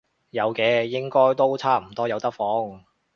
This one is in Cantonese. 有嘅，應該都差唔多有得放